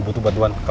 aku masuk makanya